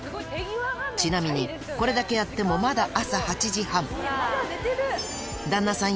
ちなみにこれだけやってもまだ朝８時半旦那さん